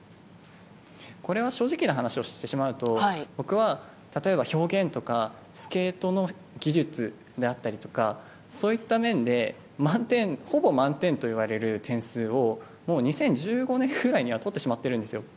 これは正直な話をしてしまうと僕は、例えば表現とかスケートの技術であったりとかそういった面でほぼ満点といわれる点数をもう２０１５年くらいには取ってしまっているんですよ。